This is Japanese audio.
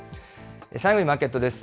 最後にマーケットです。